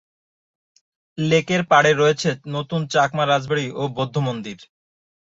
লেকের পাড়ে রয়েছে নতুন চাকমা রাজবাড়ি ও বৌদ্ধ মন্দির।